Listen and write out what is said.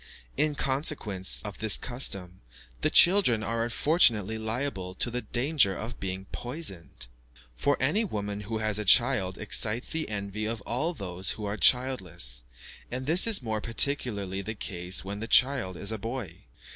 In consequence of this custom, the children are unfortunately liable to the danger of being poisoned; for any woman who has a child excites the envy of all those who are childless; and this is more particularly the case when the child is a boy.